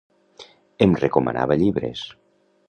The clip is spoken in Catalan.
Em recomanava llibres